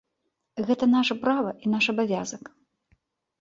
Гэта наша права і наш абавязак.